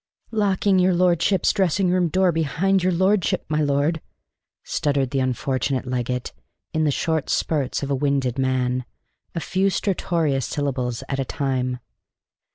"Locking your lordship's dressing room door behind your lordship, my lord," stuttered the unfortunate Leggett, in the short spurts of a winded man, a few stertorous syllables at a time.